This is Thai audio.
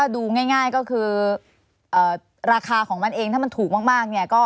ดูง่ายก็คือราคาถ้ามันถูกมาก